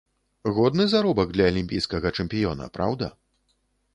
Годны заробак для алімпійскага чэмпіёна, праўда?